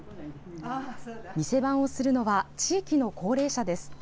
店番をするのは地域の高齢者です。